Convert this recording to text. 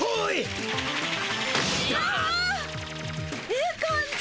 ええ感じ！